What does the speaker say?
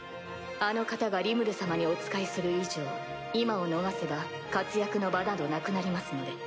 あの方がリムル様にお仕えする以上今を逃せば活躍の場などなくなりますので。